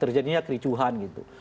terjadinya kericuhan gitu